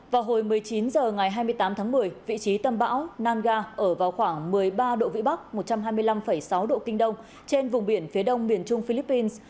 vào hồi một mươi chín h ngày hai mươi tám tháng một mươi vị trí tâm bão nanga ở vào khoảng một mươi ba độ vĩ bắc một trăm hai mươi năm sáu độ kinh đông trên vùng biển phía đông miền trung philippines